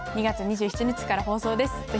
２月２７日から放送です。